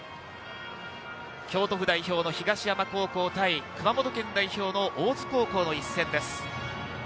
京都府代表の東山高校対熊本県代表の大津高校の一戦です。